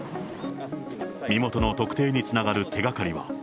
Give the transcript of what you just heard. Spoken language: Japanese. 身元の特定につながる手がかりは。